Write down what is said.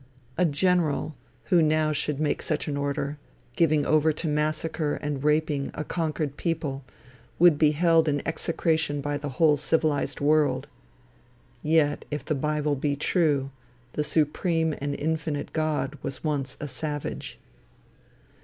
A general, who now should make such an order, giving over to massacre and rapine a conquered people, would be held in execration by the whole civilized world. Yet, if the bible be true, the supreme and infinite God was once a savage.